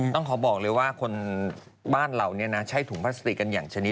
ต้องขอบอกเลยว่าคนบ้านเราใช้ถุงพลาสติกกันอย่างชนิด